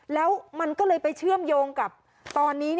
แล้วมันก็เลยไปเชื่อมโยงกับตอนนี้